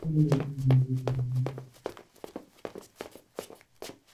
但正是这些祠堂所代表的宗族势力构成了宣教士在中国传福音的最大障碍。